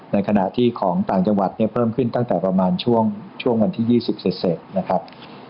ในขณะที่ของต่างจังหวัดเนี่ยเพิ่มขึ้นตั้งแต่ประมาณช่วงวันที่๒๐เสร็จนะครับ